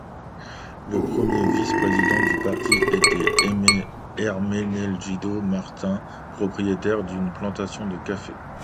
Le premier vice-président du parti était Hermenegildo Martins, propriétaire d’une plantation de café.